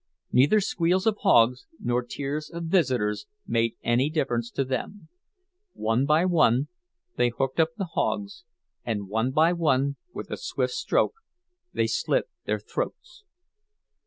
Neither squeals of hogs nor tears of visitors made any difference to them; one by one they hooked up the hogs, and one by one with a swift stroke they slit their throats.